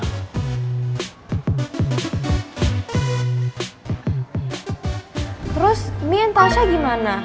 terus mie dan tasya gimana